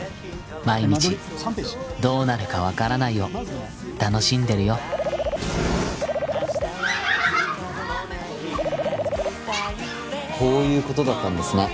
毎日どうなるか分からないを楽しんでるよこういうことだったんですね